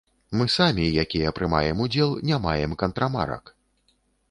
Мы самі, якія прымаем удзел, не маем кантрамарак!